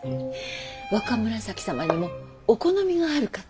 若紫様にもお好みがあるかと。